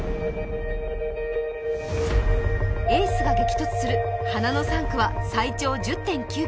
エースが激突する花の３区は最長１０．９ｋｍ。